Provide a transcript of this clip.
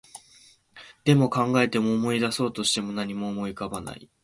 でも、考えても、思い出そうとしても、何も思い浮かばない